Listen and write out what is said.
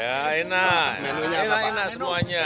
ya enak semuanya